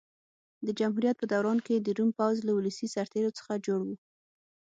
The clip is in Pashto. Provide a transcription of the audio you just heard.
د جمهوریت په دوران کې د روم پوځ له ولسي سرتېرو څخه جوړ و.